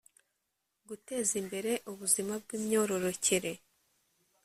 guteza imbere ubuzima bw imyororokere